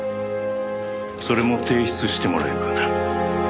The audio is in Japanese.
それも提出してもらえるかな？